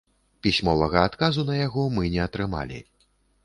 Пісьмовага адказу на яго мы не атрымалі.